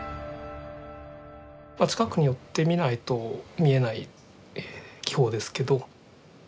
まあ近くに寄ってみないと見えない技法ですけど。